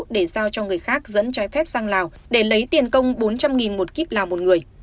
để giao cho người khác dẫn trái phép sang lào để lấy tiền công bốn trăm linh một kiếp lào một người